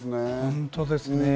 本当ですね。